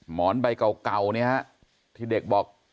หมอนใบเก่าที่เด็กบอก